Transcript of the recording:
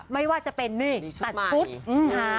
ไม่ว่าจะเป็นตัดชุด